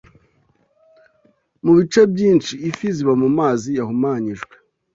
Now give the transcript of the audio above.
Mu bice byinshi, ifi ziba mu mazi yahumanyijwe